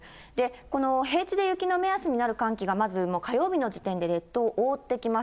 この平地で雪の目安になる寒気がまず火曜日の時点で列島を覆ってきます。